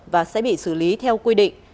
và sẽ bị xử lý theo quy định